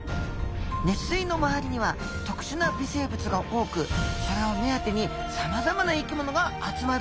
熱水の周りには特殊な微生物が多くそれを目当てにさまざまな生きものが集まるんです。